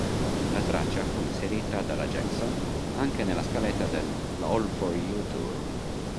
La traccia fu inserita dalla Jackson anche nella scaletta dell"'All for You Tour".